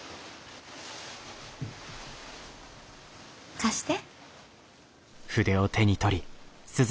貸して。